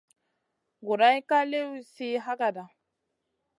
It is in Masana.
Guroyna ka liw sih hagada.